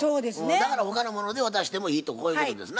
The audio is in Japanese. だから他のもので渡してもいいとこういうことですな。